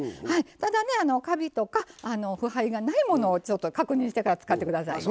ただねカビとか腐敗がないものをちょっと確認してから使って下さいね。